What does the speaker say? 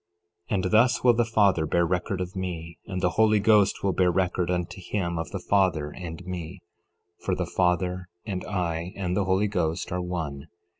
11:36 And thus will the Father bear record of me, and the Holy Ghost will bear record unto him of the Father and me; for the Father, and I, and the Holy Ghost are one.